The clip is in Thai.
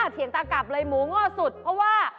เถียงตากลับเลยหมูง่อสุดเพราะว่า